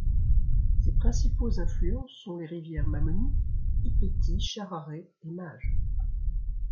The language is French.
Ses principaux affluents sont les rivières Mamoni, Ipetí Chararé et Maje.